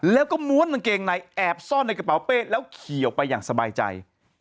แล้วก็ม้วนกางเกงในแอบซ่อนในกระเป๋าเป้แล้วขี่ออกไปอย่างสบายใจ